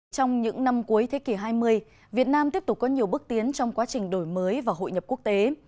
trong những năm cuối thế kỷ hai mươi việt nam tiếp tục có nhiều bước tiến trong quá trình đổi mới và hội nhập quốc tế